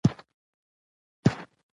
دا بېله خبره ده؛ خو دا خبره څرګنده ده،